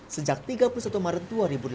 sejak tiga puluh satu maret dua ribu delapan belas